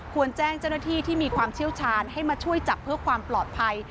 แจ้งเจ้าหน้าที่ที่มีความเชี่ยวชาญให้มาช่วยจับเพื่อความปลอดภัย